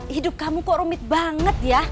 hidup kamu kok rumit banget ya